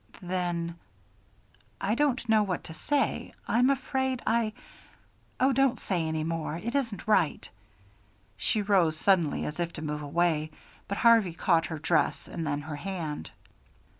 "Then " "I don't know what to say. I'm afraid I Oh, don't say any more! It isn't right." She rose suddenly as if to move away, but Harvey caught her dress and then her hand.